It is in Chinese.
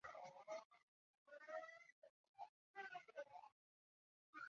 将白果市乡并入凤凰乡。